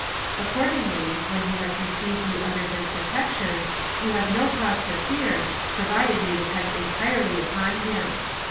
Accordingly, when he has received you under his protection, you have no cause to fear, provided you depend entirely upon him.